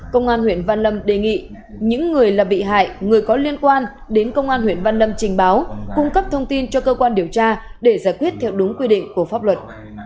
công an huyện văn lâm đề nghị những người là bị hại người có liên quan đến công an huyện văn lâm trình báo cung cấp thông tin cho cơ quan điều tra để giải quyết theo đúng quy định của pháp luật